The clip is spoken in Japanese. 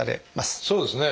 そうですね。